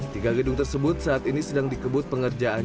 tiga gedung tersebut saat ini sedang dikebut pengerjaan